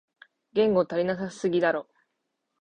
言語足りなすぎだろ